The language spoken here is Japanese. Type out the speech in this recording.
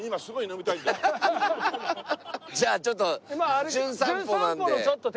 じゃあちょっと『じゅん散歩』なので。